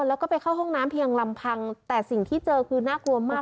แล้วก็ไปเข้าห้องน้ำเพียงลำพังแต่สิ่งที่เจอคือน่ากลัวมาก